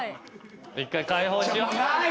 １回解放しよう。